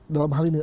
dalam hal ini